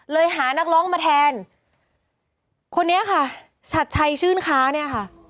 หานักร้องมาแทนคนนี้ค่ะชัดชัยชื่นค้าเนี่ยค่ะ